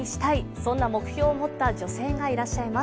そんな目標を持った女性がいらっしゃいます。